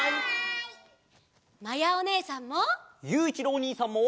まやおねえさんも！